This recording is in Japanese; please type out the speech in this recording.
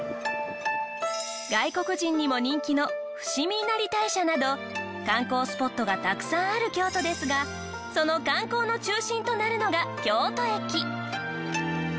外国人にも人気の伏見稲荷大社など観光スポットがたくさんある京都ですがその観光の中心となるのが京都駅。